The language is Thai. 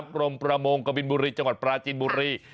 กรมประมงกะบินบุรีจังหวัดปราจินบุรี